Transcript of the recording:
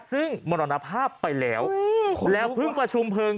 ซึ่งมรณภาพไปแล้วแล้วเพิ่งประชุมเพลิง